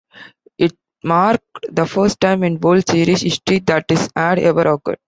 It marked the first time in World Series history that this had ever occurred.